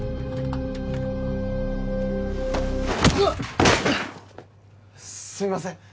うわっすいません